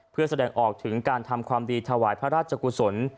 เพื่อแสดงออกถึงการทำความดีถวายพระราชกุศล